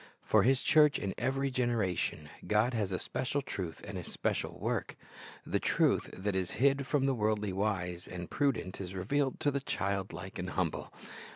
For His church in every generation God has a special truth and a special work. The truth that is hid from the worldly wise and prudent is revealed to the child like and humble.